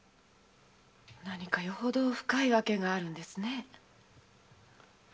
何かよほど深い訳があるんですね？